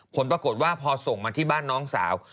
ผลปรากฏว่าพอส่งมาที่บ้านน้องสาว